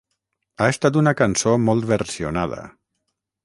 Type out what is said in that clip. Ha estat una cançó molt versionada.